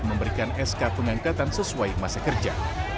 memberikan sk pengangkatan sesuai masa kerja